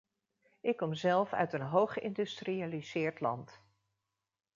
Ik kom zelf uit een hooggeïndustrialiseerd land.